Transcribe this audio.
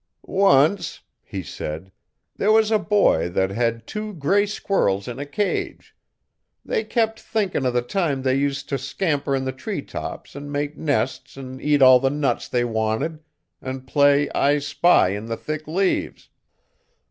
'Once,' he said, 'there was a boy thet hed two grey squirrels in a cage. They kep' thinkin' o' the time they used t' scamper in the tree tops an' make nests an' eat all the nuts they wanted an' play I spy in the thick leaves.